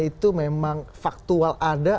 itu memang faktual ada